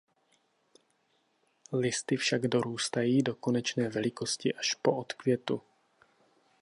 Listy však dorůstají do konečné velikosti až po odkvětu.